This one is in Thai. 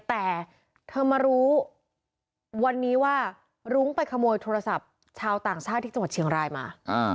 แต่เธอมารู้วันนี้ว่ารุ้งไปขโมยโทรศัพท์ชาวต่างชาติที่จังหวัดเชียงรายมา